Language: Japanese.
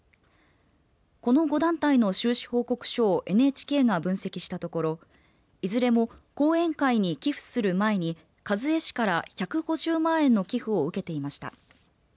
この５団体の収支報告書をＮＨＫが分析したところいずれも後援会に寄付する前に一衛氏から１５０万円の寄付を受けていました。